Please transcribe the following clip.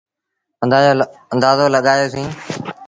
اندآزو لڳآيو سيٚݩ۔